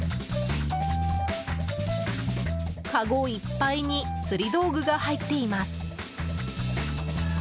かごいっぱいに釣り道具が入っています。